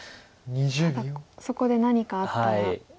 ただそこで何かあったら。